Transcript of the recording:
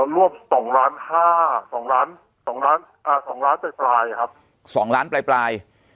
รวม๒ล้าน๕๒ล้าน๒ล้าน๒ล้านไปปลายครับ๒ล้านไปปลาย